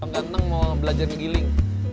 ganteng mau belajar menggiling